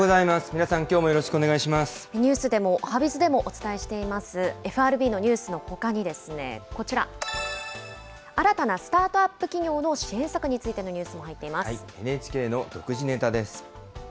皆さん、きょうもよろしくお願いニュースでも、おはＢｉｚでもお伝えしています、ＦＲＢのニュースのほかにですね、こちら、新たなスタートアップ企業の支援策についてのニュースも入っていＮＨＫの独自ネタです。